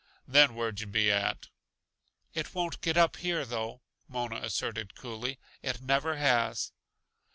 Then where'd yuh be at?" "It won't get up here, though," Mona asserted coolly. "It never has."